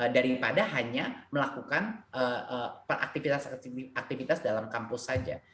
daripada hanya melakukan aktivitas dalam kampus saja